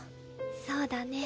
そうだね。